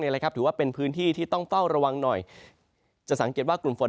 ถือว่าเป็นพื้นที่ที่ต้องเฝ้าระวังหน่อยจะสังเกตว่ากลุ่มฝน